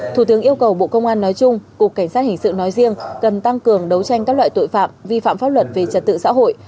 thủ tướng yêu cầu bộ công an nói chung cục cảnh sát hình sự nói riêng cần tăng cường đấu tranh các loại tội phạm vi phạm pháp luật về trật tự xã hội